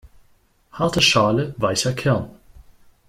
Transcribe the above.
Harte Schale weicher Kern.